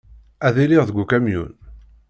Ad iliɣ deg ukamyun.